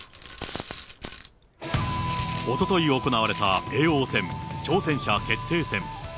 おととい、行われた叡王戦挑戦者決定戦。